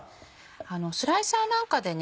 スライサーなんかでね